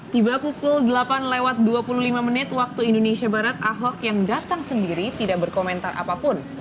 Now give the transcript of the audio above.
tiba pukul delapan lewat dua puluh lima menit waktu indonesia barat ahok yang datang sendiri tidak berkomentar apapun